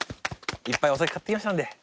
いっぱいお酒買ってきましたので。